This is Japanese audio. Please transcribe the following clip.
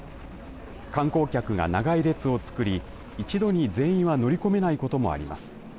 観光客が長い列を作り一度に全員は乗り込めないこともあります。